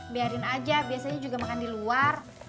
biarin aja biasanya juga makan di luar